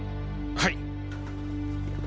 はい。